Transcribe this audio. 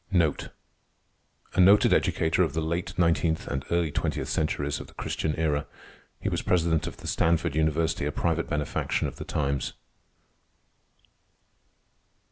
'" A noted educator of the late nineteenth and early twentieth centuries of the Christian Era. He was president of the Stanford University, a private benefaction of the times.